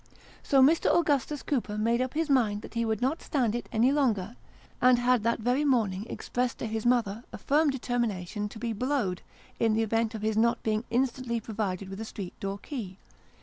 So Mr. Augustus Cooper made up his mind that he would not stand it any longer, and had that very morning expressed to his mother a firm determination to be " blowed," in the event of his not being instantly provided with a street door key.